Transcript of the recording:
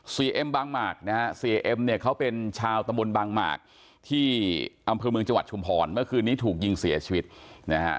เอ็มบางหมากนะฮะเสียเอ็มเนี่ยเขาเป็นชาวตะมนต์บางหมากที่อำเภอเมืองจังหวัดชุมพรเมื่อคืนนี้ถูกยิงเสียชีวิตนะฮะ